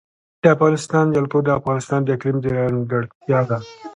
د افغانستان جلکو د افغانستان د اقلیم ځانګړتیا ده.